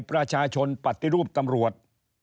ประชาชนปฏิรูปตำรวจ